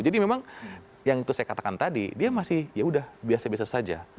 jadi memang yang itu saya katakan tadi dia masih ya sudah biasa biasa saja